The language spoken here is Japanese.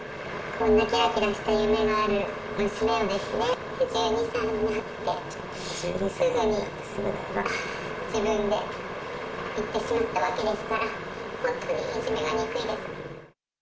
こんなきらきらした夢がある娘をですね、１２歳になってすぐに、自分で逝ってしまったわけですから、本当にいじめが憎いです。